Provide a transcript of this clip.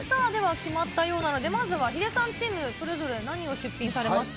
決まったようなので、まずはヒデさんチーム、それぞれ何を出品されますか？